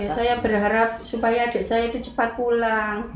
saya berharap supaya adik saya itu cepat pulang